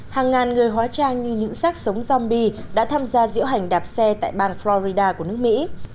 hàng ngàn người hóa trang như những sát sống rombi đã tham gia diễu hành đạp xe tại bang florida của nước mỹ